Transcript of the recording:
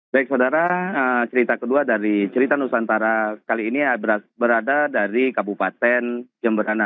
baik saudara cerita kedua dari cerita nusantara kali ini berada dari kabupaten jemberana